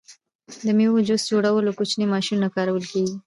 د میوو د جوس جوړولو کوچنۍ ماشینونه کارول کیږي.